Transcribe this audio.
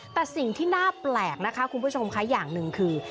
แต่สิ่งที่น่าแปลกนะคะคุณผู้ชมค่ะอย่างหนึ่งคือ